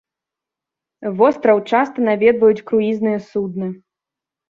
Востраў часта наведваюць круізныя судны.